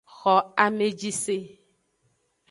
Xo ameji se.